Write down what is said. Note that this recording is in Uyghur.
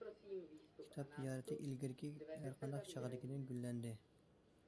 كىتاب تىجارىتى ئىلگىرىكى ھەر قانداق چاغدىكىدىن گۈللەندى.